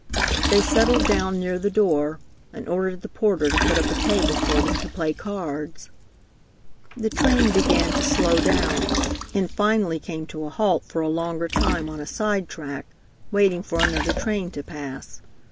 They settled down near the door, and ordered the porter to put up a table for them to play cards. "The train began to slow down, and finally came to a halt for a longer time on a sidetrack, waiting for another train to pass.